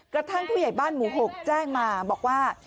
กระทั่งผู้ใหญ่บ้านหมู่๖แจ้งมาบอกว่า